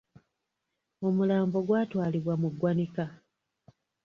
Omulambo gwatwalibwa mu ggwanika.